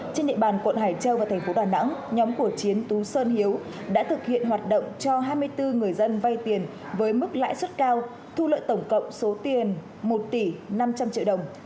trên địa bàn quận hải châu và thành phố đà nẵng nhóm của chiến tú sơn hiếu đã thực hiện hoạt động cho hai mươi bốn người dân vay tiền với mức lãi suất cao thu lợi tổng cộng số tiền một tỷ năm trăm linh triệu đồng